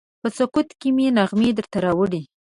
په سکوت کې مې نغمې درته راوړي